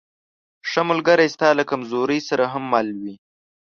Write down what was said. ښه ملګری ستا له کمزورۍ سره هم مل وي.